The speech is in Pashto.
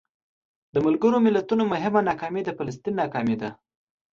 د ملګرو ملتونو مهمه ناکامي د فلسطین ناکامي ده.